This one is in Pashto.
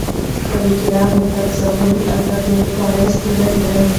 ملکیار هوتک زموږ د ادب یو پخوانی ستوری دی.